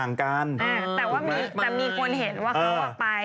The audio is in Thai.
แต่ว่ามีคนเห็นว่าเขาออกไป